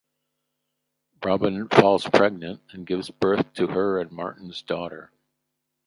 Robyn falls pregnant and gives birth to her and Martin's daughter.